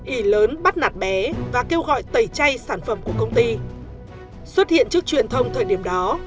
ị lớn bắt nạt bé và kêu gọi tẩy chay sản phẩm của công ty xuất hiện trước truyền thông thời điểm đó